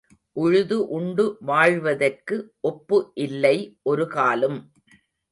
உழுது உண்டு வாழ்வதற்கு ஒப்பு இல்லை ஒரு காலும்.